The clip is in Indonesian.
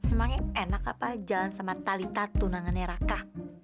emangnya enak apa jalan sama tali tatu nangan neraka